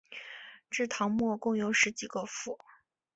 至唐末共有十几个府。